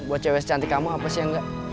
buat cewek secantik kamu apa sih enggak